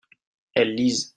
elles lisent.